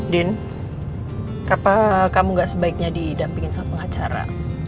din kapan kamu gak sebaiknya didampingin sama pengacara